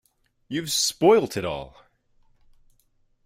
You've spoilt it all!